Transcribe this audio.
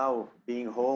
saya pikir sekarang